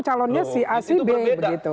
calonnya si a si b begitu itu berbeda